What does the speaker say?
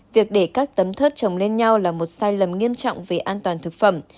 việc để các tấm thớt trồng lên nhau là một sai lầm nghiêm trọng về an toàn thực phẩm